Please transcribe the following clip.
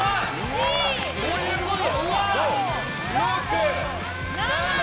どういうこと！